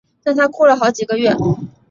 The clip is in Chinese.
让她哭了好几个月